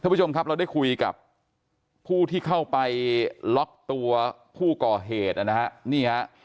ผู้ชมครับเราได้คุยกับผู้ที่เข้าไปล็อกตัวผู้ก่อเหตุนะฮะนี่ฮะ